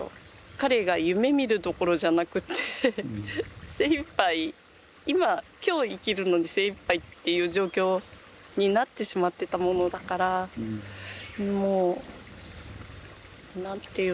彼が夢みるどころじゃなくて精いっぱい今今日生きるのに精いっぱいっていう状況になってしまってたものだからもう何て言うんだろう。